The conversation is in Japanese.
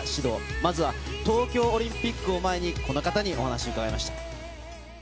まずは東京オリンピックを前に、この方にお話を伺いました。